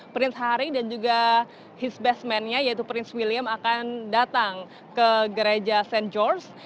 prince harry dan juga his best man nya yaitu prince william akan datang ke gereja st george